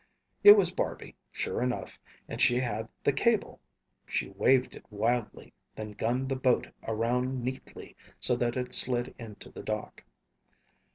It was Barby, sure enough, and she had the cable! She waved it wildly, then gunned the boat around neatly so that it slid into the dock.